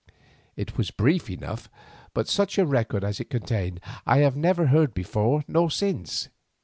It was brief enough, but such a record as it contained I have never heard before nor since.